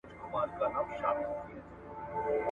زړه مي